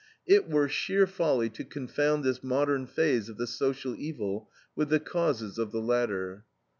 It were sheer folly to confound this modern phase of the social evil with the causes of the latter.